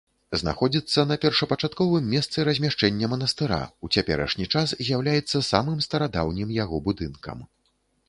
Знаходзіцца на першапачатковым месцы размяшчэння манастыра, у цяперашні час з'яўляецца самым старадаўнім яго будынкам.